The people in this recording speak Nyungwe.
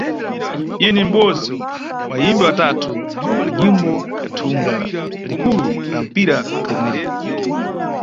Iye ni mʼbodzi wa ayimbi atatu wa nyimbo ya thunga likulu la mpira limweri.